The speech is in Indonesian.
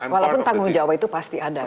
walaupun tanggung jawab itu pasti ada